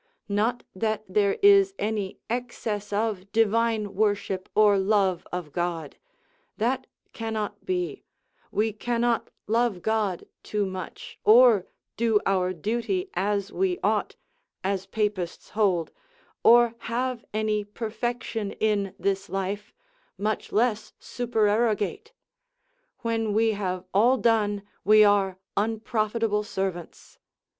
Not that there is any excess of divine worship or love of God; that cannot be, we cannot love God too much, or do our duty as we ought, as Papists hold, or have any perfection in this life, much less supererogate: when we have all done, we are unprofitable servants.